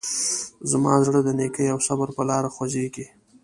زما زړه د نیکۍ او صبر په لاره خوځېږي.